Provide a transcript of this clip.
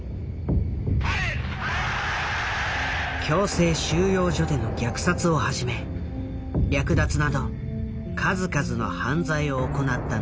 強制収容所での虐殺をはじめ略奪など数々の犯罪を行ったナチス政権。